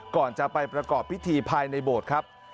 ก่อนจะไปประกอบพิธีภายในโบสถ์ครับ